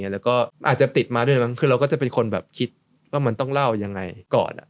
แล้วก็อาจจะติดมาด้วยมั้งคือเราก็จะเป็นคนแบบคิดว่ามันต้องเล่ายังไงก่อน